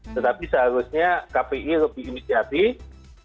tetapi seharusnya kpi lebih inisiatif